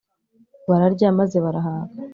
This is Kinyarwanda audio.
bararya, maze barahaga